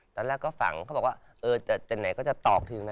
ตอนแรกก็ฝังเขาบอกว่าเออแต่ไหนก็จะตอบถึงนะ